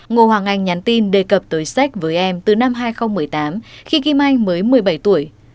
ngô hoàng anh nhắn tin đề cập tới sách với em từ năm hai nghìn một mươi tám khi ghi anh mới một mươi bảy tuổi